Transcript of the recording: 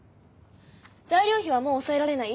材料費はもう抑えられない？